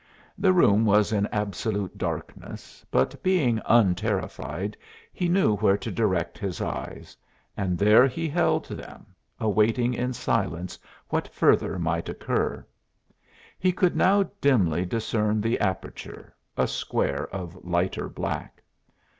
The room was in absolute darkness, but being unterrified he knew where to direct his eyes, and there he held them, awaiting in silence what further might occur. He could now dimly discern the aperture a square of lighter black.